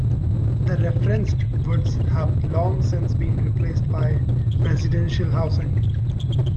The referenced woods have long since been replaced by residential housing.